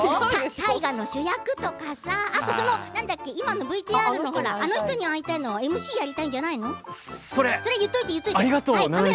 大河の主役とか今のＶＴＲの「あの人に会いたい」のＭＣをやりたいんじゃないの？